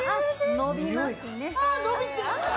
延びますね。